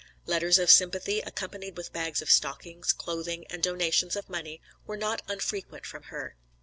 Letters of sympathy accompanied with bags of stockings, clothing, and donations of money were not unfrequent from her.